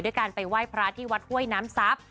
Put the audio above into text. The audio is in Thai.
การไปไหว้พระที่วัดห้วยน้ำซับ